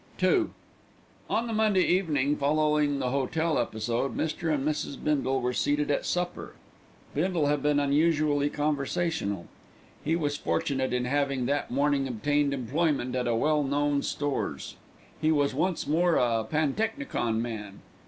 II On the Monday evening following the hotel episode Mr. and Mrs. Bindle were seated at supper. Bindle had been unusually conversational. He was fortunate in having that morning obtained employment at a well known stores. He was once more a pantechnicon man.